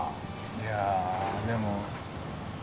いやあでも。